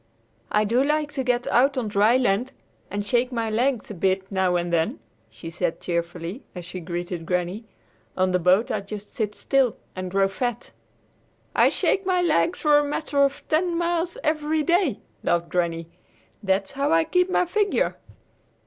"I do like to get out on dry land and shake my legs a bit now and then," she said cheerfully as she greeted Granny. "On the boat I just sit still and grow fat!" "I shake my legs for a matter of ten miles every day," laughed Granny. "That's how I keep my figure!"